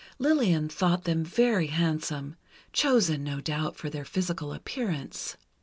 Lillian thought them very handsome, chosen, no doubt, for their physical appearance.